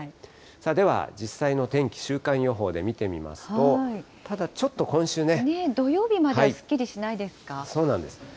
では実際の天気、週間予報で見て土曜日まではすっきりしないそうなんです。